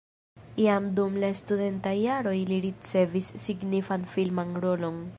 Jam dum la studentaj jaroj li ricevis signifan filman rolon.